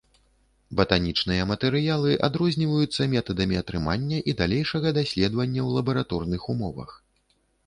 Батанічныя матэрыялы адрозніваюцца метадамі атрымання і далейшага даследавання ў лабараторных умовах.